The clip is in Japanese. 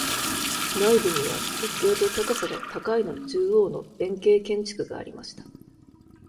内部には、直径と高さが高いの中央の円形建築がありました。